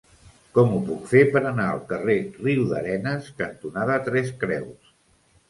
Com ho puc fer per anar al carrer Riudarenes cantonada Tres Creus?